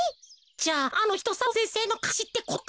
じゃああのひと佐藤先生のかれしってことか？